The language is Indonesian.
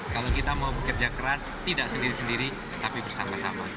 kalau kita mau bekerja keras tidak sendiri sendiri tapi bersama sama